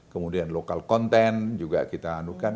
kemudian lokal content juga kita andukan